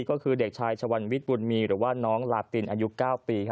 ก็คือเด็กชายชวันวิทย์บุญมีหรือว่าน้องลาตินอายุ๙ปี